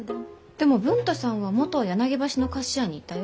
でも文太さんは元は柳橋の菓子屋にいたよ。